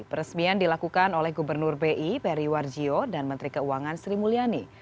peresmian dilakukan oleh gubernur bi peri warjio dan menteri keuangan sri mulyani